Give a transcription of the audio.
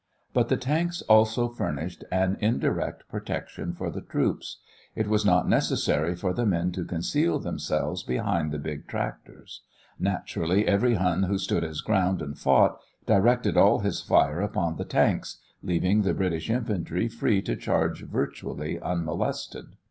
But the tanks also furnished an indirect protection for the troops. It was not necessary for the men to conceal themselves behind the big tractors. Naturally, every Hun who stood his ground and fought, directed all his fire upon the tanks, leaving the British infantry free to charge virtually unmolested.